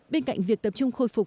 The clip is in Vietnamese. bên cạnh việc tập trung khôi phục